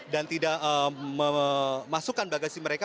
dan tidak memasukkan bagasi mereka